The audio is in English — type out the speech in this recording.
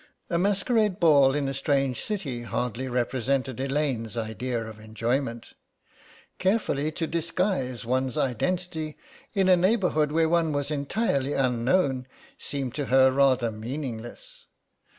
A masquerade ball in a strange city hardly represented Elaine's idea of enjoyment. Carefully to disguise one's identity in a neighbourhood where one was entirely unknown seemed to her rather meaningless.